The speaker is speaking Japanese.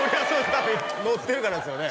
多分乗ってるからですよね